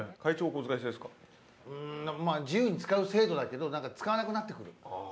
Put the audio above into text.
自由に使う制度だけど使わなくなってくる何となく。